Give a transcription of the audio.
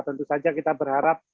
tentu saja kita berharap